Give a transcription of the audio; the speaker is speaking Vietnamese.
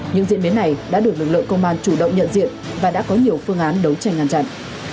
những diễn biến này đã được lực lượng công an chủ động nhận diện và đã có nhiều phương án đấu tranh ngăn chặn